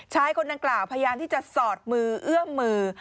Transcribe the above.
ชายคนดังกล่าวพยายามที่จะสอดมือเอื้อมมือ